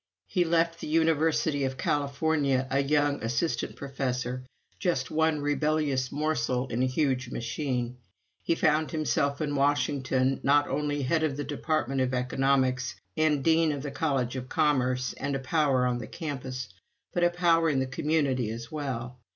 He left the University of California a young Assistant Professor, just one rebellious morsel in a huge machine. He found himself in Washington, not only Head of the Department of Economics and Dean of the College of Commerce, and a power on the campus, but a power in the community as well.